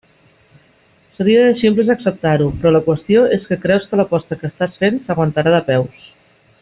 Seria de ximples acceptar-ho, però la qüestió és que creus que l'aposta que estàs fent s'aguantarà de peus.